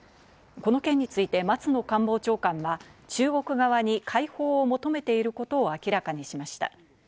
この件について松野官房長官は、中国側に解放を求めていることを明らかにしました。